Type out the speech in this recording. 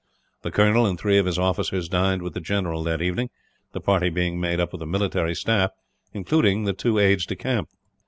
The colonel and three of his officers dined with the general, that evening; the party being made up of the military staff, including the two aides de camp.